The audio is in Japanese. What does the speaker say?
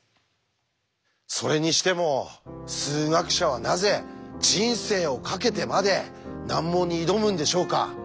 それにしても数学者はなぜ人生をかけてまで難問に挑むんでしょうか？